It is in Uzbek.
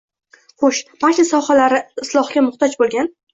Xo‘sh, barcha sohalari islohga muhtoj bo‘lgan